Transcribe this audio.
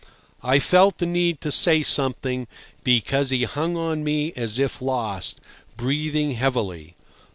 I felt the need to say something, because he hung on to me as if lost, breathing heavily.